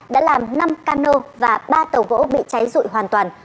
đã làm năm cano và ba tàu gỗ bị cháy rụi hoàn toàn